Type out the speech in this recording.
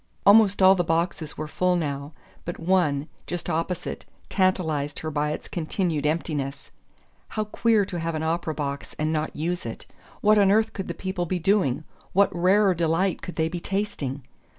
Almost all the boxes were full now, but one, just opposite, tantalized her by its continued emptiness. How queer to have an opera box and not use it! What on earth could the people be doing what rarer delight could they be tasting?